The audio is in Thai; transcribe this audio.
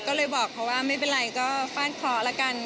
ก็เลยบอกเขาว่าไม่เป็นไรก็ฟาดเคราะห์ละกัน